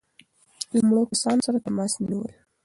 له مړو کسانو سره تماس نه نیول.